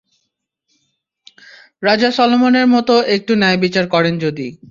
রাজা সলোমনের মতো একটু ন্যায়বিচার করেন যদি।